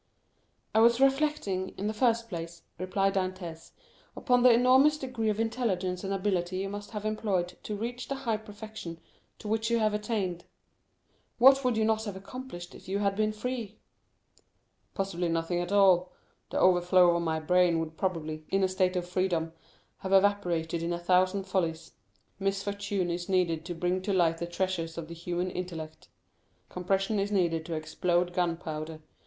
"I was reflecting, in the first place," replied Dantès, "upon the enormous degree of intelligence and ability you must have employed to reach the high perfection to which you have attained. What would you not have accomplished if you had been free?" "Possibly nothing at all; the overflow of my brain would probably, in a state of freedom, have evaporated in a thousand follies; misfortune is needed to bring to light the treasures of the human intellect. Compression is needed to explode gunpowder.